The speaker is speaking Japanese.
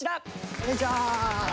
こんにちは！